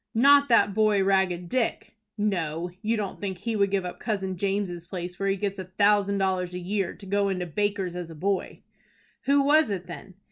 "Not that boy, Ragged Dick?" "No, you don't think he would give up Cousin James' place, where he gets a thousand dollars a year, to go into Baker's as boy?" "Who was it, then?"